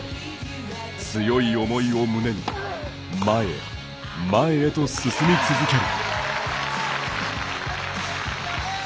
強い思いを胸に前へ、前へと進み続ける。